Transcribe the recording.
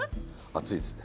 熱いですね。